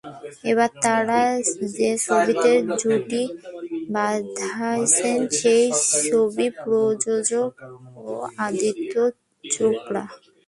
এবার তাঁরা যে ছবিতে জুটি বাঁধছেন, সেই ছবির প্রযোজকও আদিত্য চোপড়া।